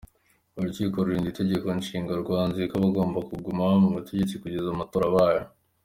Urukiko rurinda Itegeko Nshinga ryanzuye ko agomba kuguma ku butegetsi kugeza amatora abaye.